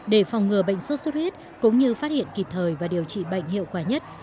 để phòng ngừa bệnh sốt xuất huyết cũng như phát hiện kịp thời và điều trị bệnh hiệu quả nhất